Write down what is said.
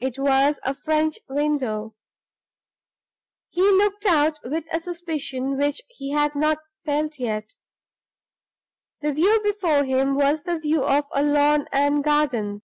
It was a French window. He looked out with a suspicion which he had not felt yet. The view before him was the view of a lawn and garden.